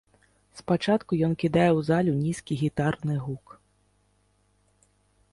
Спачатку ён кідае ў залю нізкі гітарны гук.